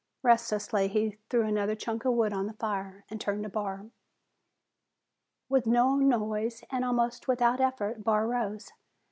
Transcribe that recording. Restlessly he threw another chunk of wood on the fire and turned to Barr. With no noise, and almost without effort, Barr rose.